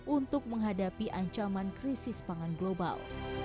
untuk menghadapi ancaman krisis pangan global